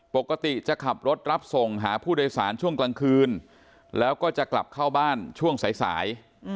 ปกติจะขับรถรับส่งหาผู้โดยสารช่วงกลางคืนแล้วก็จะกลับเข้าบ้านช่วงสาย